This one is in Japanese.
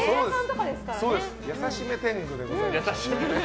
優しめ天狗でございます。